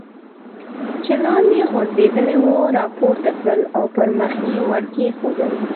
چې لاندې غورځېدلې وه را پورته کړل او پر مخ یې ور کېښودل.